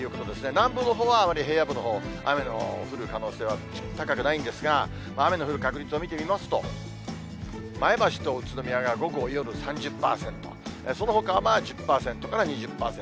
南部のほうはあまり平野部のほう、雨の降る可能性は高くないんですが、雨の降る確率を見てみますと、前橋と宇都宮が午後、夜３０％、そのほかは１０％から２０％。